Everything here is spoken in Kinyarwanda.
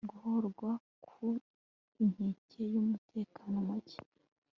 guhozwa ku inkeke y'umutekano muke